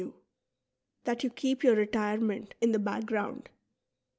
jou, — that you keep your retirement in the back ground.